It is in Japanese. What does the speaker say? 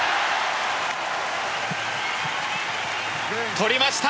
取りました！